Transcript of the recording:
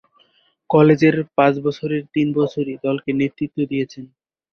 কলেজের পাঁচ বছরের তিন বছরই দলকে নেতৃত্ব দিয়েছেন।